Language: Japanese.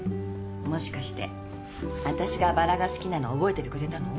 もしかして私がバラが好きなの覚えててくれたの？